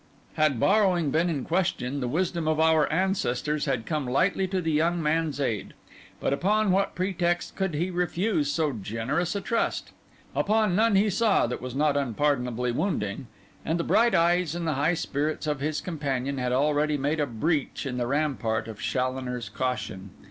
Had borrowing been in question, the wisdom of our ancestors had come lightly to the young man's aid; but upon what pretext could he refuse so generous a trust? Upon none he saw, that was not unpardonably wounding; and the bright eyes and the high spirits of his companion had already made a breach in the rampart of Challoner's caution.